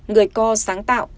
người co sáng tạo